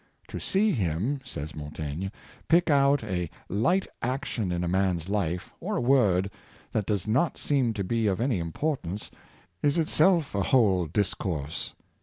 " To see him," says Montaigne, " pick out a light action in a man's life, or a word, that does not seem to be of any importance, is itself a whole dis course."